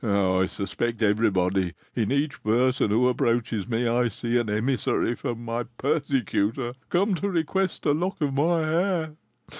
I suspect everybody, in each person who approaches me I see an emissary from my persecutor come to request a lock of my hair.